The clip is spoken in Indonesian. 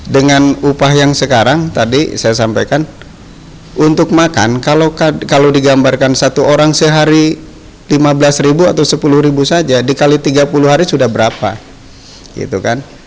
dengan upah yang sekarang tadi saya sampaikan untuk makan kalau digambarkan satu orang sehari lima belas ribu atau sepuluh ribu saja dikali tiga puluh hari sudah berapa gitu kan